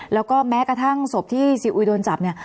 แล้วก็แม้กระทั่งศพที่ซีอุยโดนจับเนี่ย